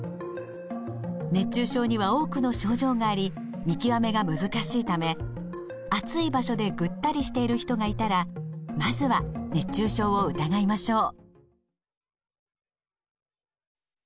熱中症には多くの症状があり見極めが難しいため暑い場所でぐったりしている人がいたらまずは熱中症を疑いましょう。